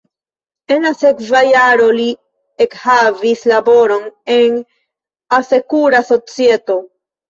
En la sekva jaro li ekhavis laboron en asekura societo.